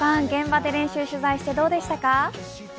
現場で練習取材してどうでしたか。